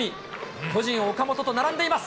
巨人、岡本と並んでいます。